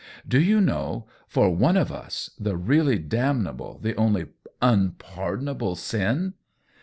" Do you know — for one of us — the really damnable, the only unpardonable, sin